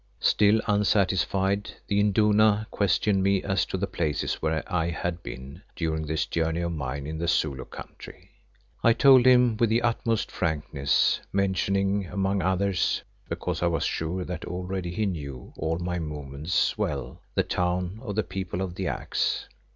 Still unsatisfied, the Induna questioned me as to the places where I had been during this journey of mine in the Zulu country. I told him with the utmost frankness, mentioning among others—because I was sure that already he knew all my movements well—the town of the People of the Axe.